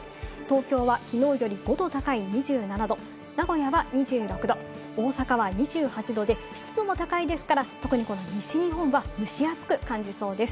東京はきのうより５度高い２７度、名古屋は２６度、大阪は２８度で、湿度も高いですから、特にこの西日本は蒸し暑く感じそうです。